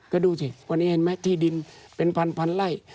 ก็ดูสิวันนี้ที่ดินพันธุ์ไส้